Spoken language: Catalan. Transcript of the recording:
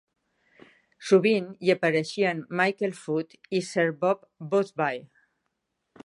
Sovint hi apareixien Michael Foot i Sir Bob Boothby.